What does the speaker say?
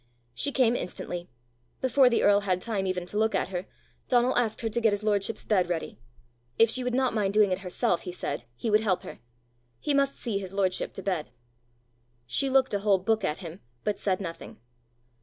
She came instantly. Before the earl had time even to look at her, Donal asked her to get his lordship's bed ready: if she would not mind doing it herself, he said, he would help her: he must see his lordship to bed. She looked a whole book at him, but said nothing.